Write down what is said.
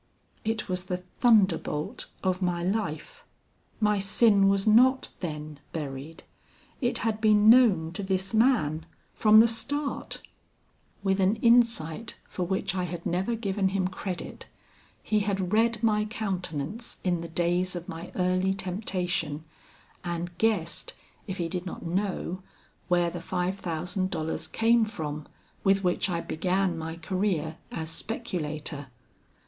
"It was the thunderbolt of my life. My sin was not then buried. It had been known to this man from the start. With an insight for which I had never given him credit, he had read my countenance in the days of my early temptation, and guessed, if he did not know, where the five thousand dollars came from with which I began my career as speculator.